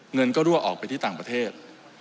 เงินก็รั่วออกไปที่ต่างประเทศ